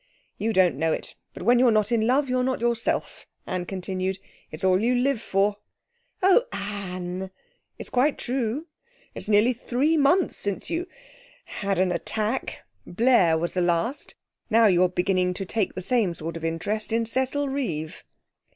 'You don't know it, but when you're not in love you're not yourself,' Anne continued. 'It's all you live for.' 'Oh, Anne!' 'It's quite true. It's nearly three months since you had an attack. Blair was the last. Now you're beginning to take the same sort of interest in Cecil Reeve.'